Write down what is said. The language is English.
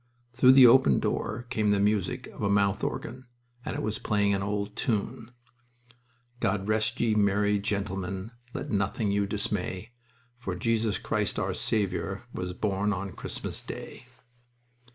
Through the open door came the music of a mouth organ, and it was playing an old tune: God rest ye, merry gentlemen. Let nothing you dismay, For Jesus Christ, our Saviour, Was born on Christmas Day.